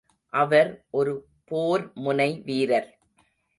அவர் ஒரு போர் முனை வீரர்.